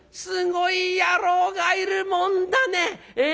すごい野郎がいるもんだね。